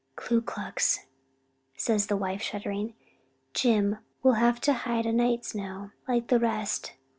"Ku Klux!" says the wife shuddering. "Jim, we'll have to hide o' nights now, like the rest.